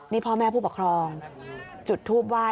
นี่พ่อแม่ผู้ปกครองจุดทูปไหว้